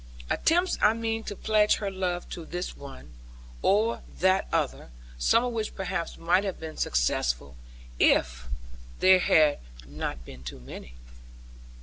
Attempts I mean to pledge her love to this one, or that other; some of which perhaps might have been successful, if there had not been too many.